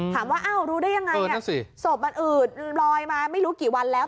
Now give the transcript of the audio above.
ถามว่าอ้าวรู้ได้ยังไงศพมันอืดลอยมาไม่รู้กี่วันแล้ว